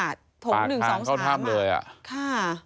ออกข้ามเข้าท่ามเลยอ่ะ